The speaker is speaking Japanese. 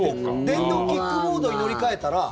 電動キックボードに乗り換えたら。